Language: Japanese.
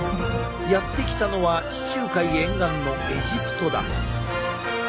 やって来たのは地中海沿岸のエジプトだ。